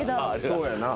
そうやな。